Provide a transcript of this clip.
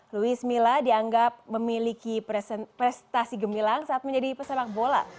luis mila dianggap memiliki prestasi gemilang saat menjadi pesepak bola